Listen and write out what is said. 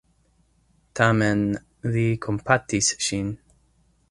Tamen, li kompatis ŝin.